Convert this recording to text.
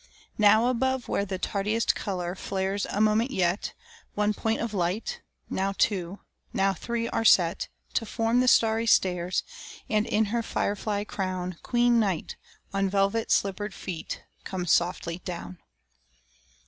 Now above where the tardiest color flares a moment yet, One point of light, now two, now three are set To form the starry stairs,— And, in her fire fly crown, Queen Night, on velvet slippered feet, comes softly down.